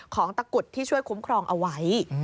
ตะกุดที่ช่วยคุ้มครองเอาไว้